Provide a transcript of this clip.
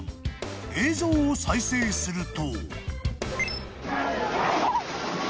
［映像を再生すると］